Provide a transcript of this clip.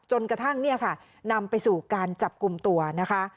จนกระทั่งนำไปสู่การจับกลุ่มตัวนะคะ